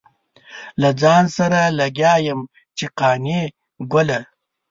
له ځان سره لګيا يم چې قانع ګله.